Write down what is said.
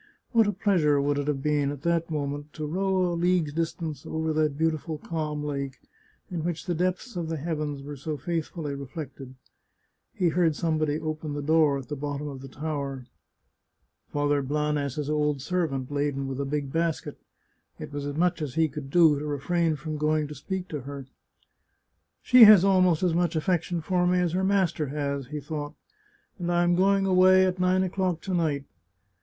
What a pleasure would it have been, at that moment, to row a league's distance over that beautiful calm lake, in which the depths of the heavens were so faithfully reflected ! He heard somebody open the door at the bottom of the tower — Father Blanes's old servant, laden with a big basket ; it was as much as he could do to refrain from going to speak to 175 The Chartreuse of Parma her. " She has almost as much affection for me as her master has," he thought. " And I am going away at nine o'clock to night.